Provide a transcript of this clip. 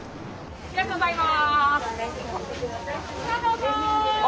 ありがとうございます。